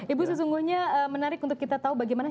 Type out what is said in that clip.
ibu sesungguhnya menarik untuk kita tahu bagaimana